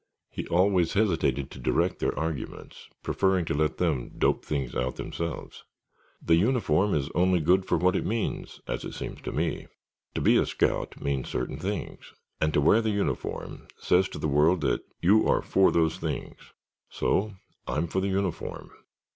(He always hesitated to direct their arguments, preferring to let them dope things out themselves.) "The uniform is only good for what it means—as it seems to me. To be a scout means certain things and to wear the uniform says to the world that you are for those things. So I'm for the uniform.